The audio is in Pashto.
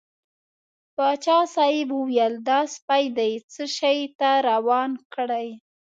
پاچا صاحب وویل دا سپی دې څه شي ته روان کړی.